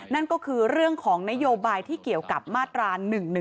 นั่นก็คือเรื่องของนโยบายที่เกี่ยวกับมาตรา๑๑๒